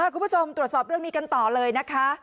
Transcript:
คุณผู้ชมตรวจสอบเรื่องนี้กันต่อเลยนะคะ